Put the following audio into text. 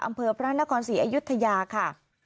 อำเภอพระรันตกรศรีอายุทธยาค่ะ